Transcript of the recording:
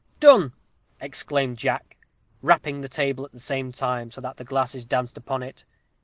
"Done!" exclaimed Jack, rapping the table at the same time, so that the glasses danced upon it.